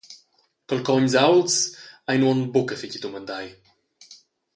Calcogns aults ein uonn buca fetg dumandai.